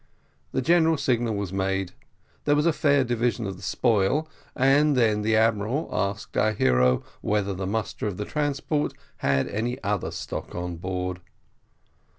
The general signal was made, there was a fair division of the spoil, and then the admiral asked our hero whether the master of the transport had any other stock on board.